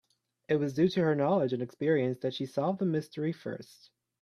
It was due to her knowledge and experience that she solved the mystery first.